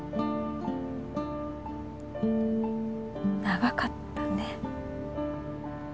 長かったね。